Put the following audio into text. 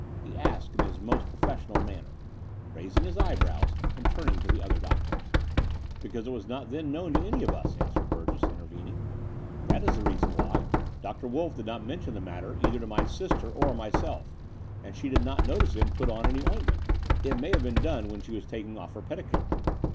he asked in his most pro fessional manner, raising his eyebrows and turning to the other doctors. 96 The Door of the Unreal ''Because it was not then known to any of us," answered Burgess, intervening; "that is the reason why. Professor Wolff did not mention the matter either to my sister or myself; and she did not notice him put on any ointment. It may have been done when she was taldng off her petticoat."